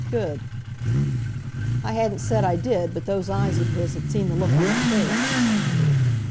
Good.' "I hadn't said I did, but those eyes of his had seen the look on my face.